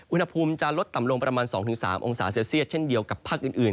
อุณหภูมิจะลดต่ำลงประมาณ๒๓องศาเซลเซียตเช่นเดียวกับภาคอื่น